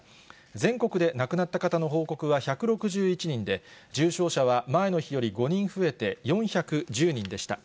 全国で亡くなった方の報告は１６１人で、重症者は前の日より５人増えて４１０人でした。